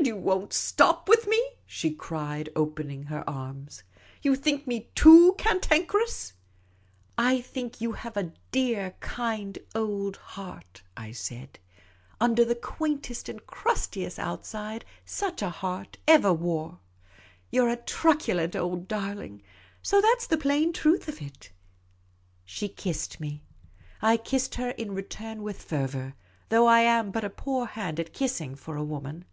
" And you won't stop with me ?" she cried, opening her arms. " You think me too cantankerous? "" I think you have a dear, kind old heart," I said, " under the quaintest and crustiest outside such a heart ever wore ; you 're a truculent old darling ; so that 's the plain truth of it." She kissed me. I kissed her in return with fervour, though I am but a poor hand at kissing, for a woman.